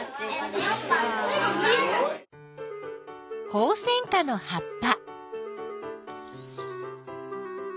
ホウセンカの葉っぱ。